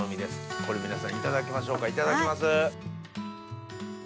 これ皆さんいただきましょうかいただきます。